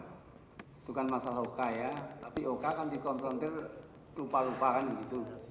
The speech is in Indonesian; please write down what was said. bukan masalah oka ya tapi oka kan dikonfrontir lupa lupakan gitu